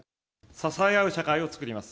支え合う社会を作ります。